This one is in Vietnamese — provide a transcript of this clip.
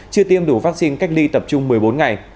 chưa tiêm đủ vaccine cách ly tập trung một mươi bốn ngày